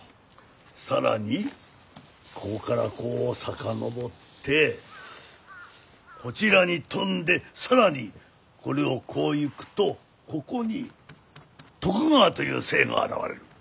更にここからこう遡ってこちらに飛んで更にこれをこういくとここに「得川」という姓が現れる。